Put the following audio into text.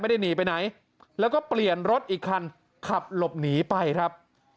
หนีไปไหนแล้วก็เปลี่ยนรถอีกคันขับหลบหนีไปครับ